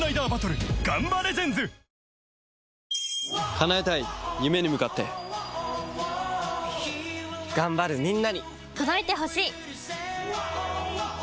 叶えたい夢に向かって頑張るみんなに届いてほしい！